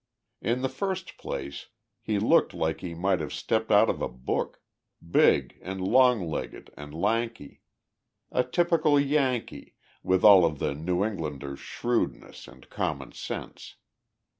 In the first place, he looked like he might have stepped out of a book big and long legged and lanky. A typical Yankee, with all of the New Englander's shrewdness and common sense.